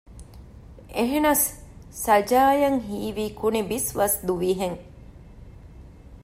އެހެނަސް ސަޖާއަށް ހީވީ ކުނިބިސްވަސް ދުވިހެން